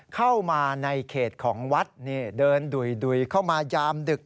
เข้ามาในเขตของวัดนี่เดินดุยเข้ามายามดึก